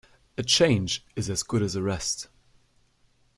A change is as good as a rest.